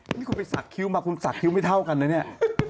นี่คุณไปสักคิ้วมาคุณสักคิ้วไม่เท่ากันนะเนี่ย